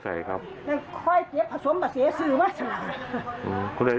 โอ้อ๋อแล้วบ้านไม่ได้